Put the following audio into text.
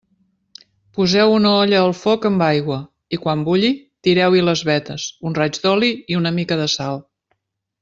Poseu una olla al foc amb aigua i, quan bulli, tireu-hi les vetes, un raig d'oli i una mica de sal.